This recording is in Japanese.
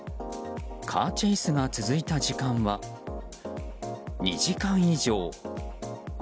カーチェイスが続いた時間は２時間以上。